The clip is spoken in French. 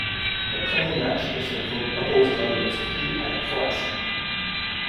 Le premier match de ce groupe opposera le Turquie à la Croatie.